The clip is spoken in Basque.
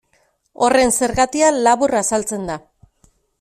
Horren zergatia labur azaltzen da.